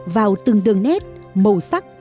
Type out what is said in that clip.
vào từng đường nét màu sắc